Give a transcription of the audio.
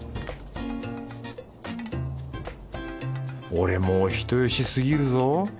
俺もお人よしすぎるぞ。